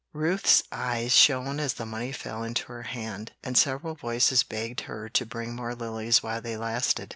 Ruth's eyes shone as the money fell into her hand, and several voices begged her to bring more lilies while they lasted.